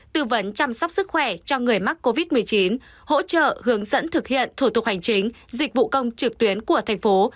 tư vấn chăm sóc sức khỏe cho người mắc covid một mươi chín hỗ trợ hướng dẫn thực hiện thủ tục hành chính dịch vụ công trực tuyến của thành phố